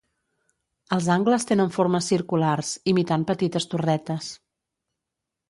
Els angles tenen formes circulars, imitant petites torretes.